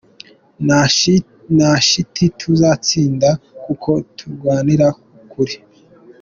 Nta shiti tuzatsinda kuko turwanira ukuri.